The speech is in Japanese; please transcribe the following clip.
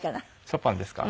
ショパンですか？